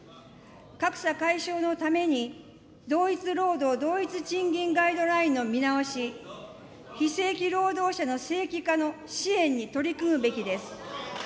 格差解消のために同一労働同一賃金ガイドラインの見直し、非正規労働者の正規化の支援に取り組むべきです。